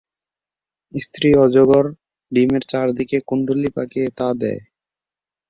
স্ত্রী অজগর ডিমের চারদিকে কুন্ডলী পাকিয়ে তা দেয়।